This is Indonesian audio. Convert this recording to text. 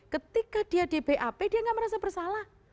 ketika dia di bap dia nggak merasa bersalah